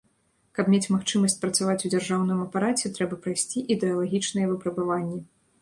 Каб мець магчымасць працаваць у дзяржаўным апараце, трэба прайсці ідэалагічныя выпрабаванні.